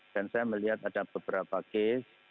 dan saya melihat ada beberapa kes